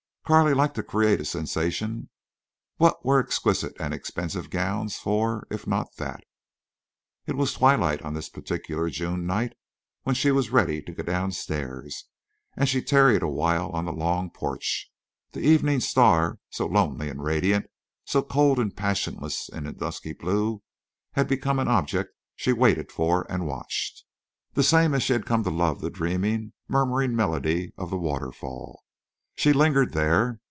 Carley liked to create a sensation. What were exquisite and expensive gowns for, if not that? It was twilight on this particular June night when she was ready to go downstairs, and she tarried a while on the long porch. The evening star, so lonely and radiant, so cold and passionless in the dusky blue, had become an object she waited for and watched, the same as she had come to love the dreaming, murmuring melody of the waterfall. She lingered there.